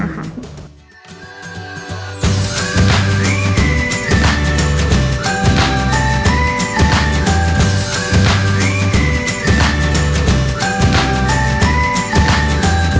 โปรดติดตามตอนต่อไป